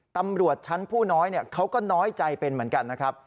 ตำรวจชั้นผู้น้อยเขาก็น้อยใจเป็นเหมือนกันนะครับ